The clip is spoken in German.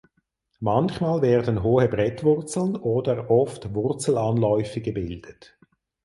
Manchmal werden hohe Brettwurzeln oder oft Wurzelanläufe gebildet.